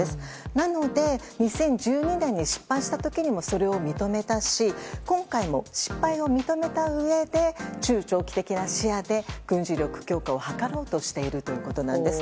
なので２０１２年に失敗した時にもそれを認めたし今回も失敗を認めたうえで中長期的な視野で軍事力強化を図ろうとしているということです。